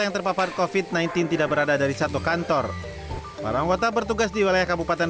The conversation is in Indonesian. yang terpapar kofit sembilan belas tidak berada dari satu kantor para anggota bertugas di wilayah kabupaten